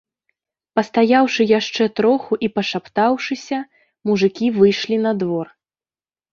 Пастаяўшы яшчэ троху і пашаптаўшыся, мужыкі выйшлі на двор.